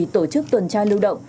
tổ chức tuần tra lưu động